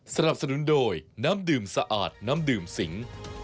สนับสนุนโดยน้ำดื่มสะอาดน้ำดื่มสิง